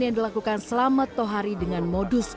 yang dilakukan selama toh hari dengan modus